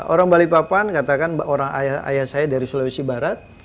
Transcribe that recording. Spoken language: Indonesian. orang balikpapan katakan orang ayah saya dari sulawesi barat